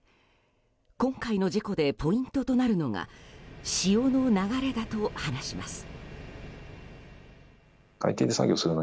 今回の事故でポイントとなるのが潮の流れだと話します。